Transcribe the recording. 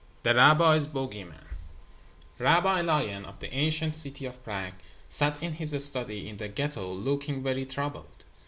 The Rabbi's Bogey Man Rabbi Lion, of the ancient city of Prague, sat in his study in the Ghetto looking very troubled.